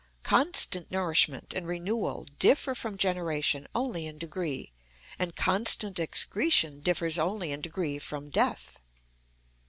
Constant nourishment and renewal differ from generation only in degree, and constant excretion differs only in degree from death.